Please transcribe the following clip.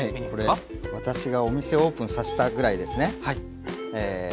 これ私がお店をオープンさせたぐらいですねえ